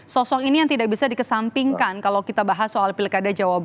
sosok ini yang tidak bisa dikesampingkan kalau kita bahas soal pilkada jawa barat